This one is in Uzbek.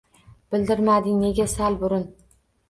Bildirmading nega sal burun?